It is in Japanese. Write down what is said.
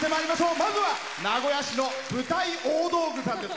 まずは名古屋市の舞台大道具さんです。